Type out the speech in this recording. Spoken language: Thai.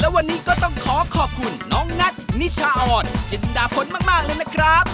วันนี้ก็ต้องขอขอบคุณน้องนัทนิชาออนจินดาพลมากเลยนะครับ